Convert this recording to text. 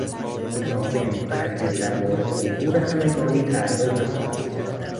روزنامهی ما هرگز در مورد امور همگانی تعلل نخواهد کرد.